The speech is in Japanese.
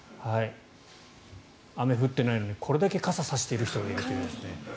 雨が降ってないのに、これだけ傘を差している人がいるという。